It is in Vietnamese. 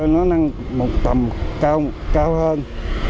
nó nâng một tầm cao hơn